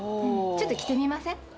ちょっと着てみません？